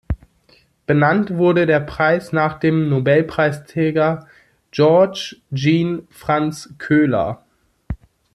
Benannt wurde der Preis nach dem Nobelpreisträger Georges Jean Franz Köhler.